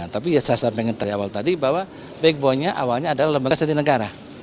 tapi saya sampaikan dari awal tadi bahwa backbone nya awalnya adalah lembaga sandi negara